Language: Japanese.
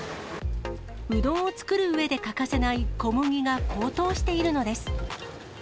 うどんを作るうえで欠かせない小麦が高騰しているのです。